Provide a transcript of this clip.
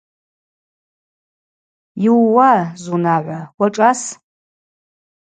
Йыууа, зунагӏва, уашӏас.